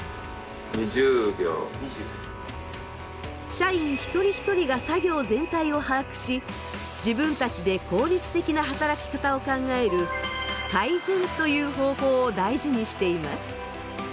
社員一人一人が作業全体を把握し自分たちで効率的な働き方を考える「改善」という方法を大事にしています。